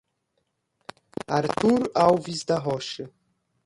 Artur Alves da Rocha